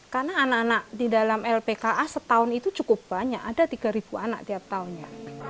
karena anak anak di dalam lpka setahun itu cukup banyak ada tiga anak tiap tahunnya